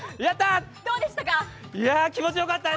どうでした？